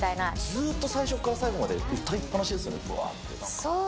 ずっと最初から最後まで歌いっぱなしですよね、ぶわーって、なんか。